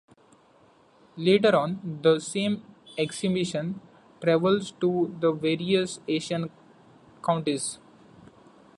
Later on the same exhibition travels to the various Asian counties.